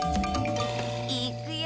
いっくよ！